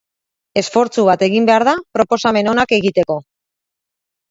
Esfortzu bat egin behar da proposamen onak egiteko.